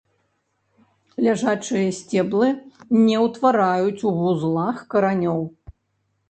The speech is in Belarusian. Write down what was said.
Ляжачыя сцеблы не ўтвараюць ў вузлах каранёў.